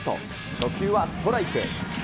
初球はストライク。